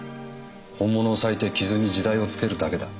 本物を裂いて傷に時代をつけるだけだ。